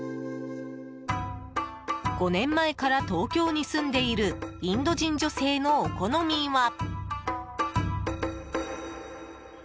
５年前から東京に住んでいるインド人女性のお好みは。